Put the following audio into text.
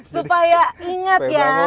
supaya inget ya